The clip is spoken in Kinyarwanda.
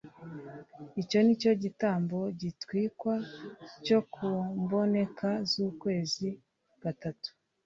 icyo ni cyo gitambo gitwikwa cyo ku mboneko z’ukwezikwa gatatu